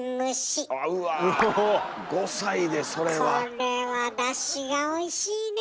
これはダシがおいしいね。